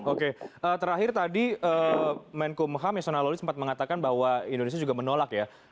oke terakhir tadi menko moham yasona loli sempat mengatakan bahwa indonesia juga menolak ya